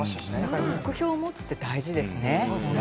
目標を持つって大事ですね。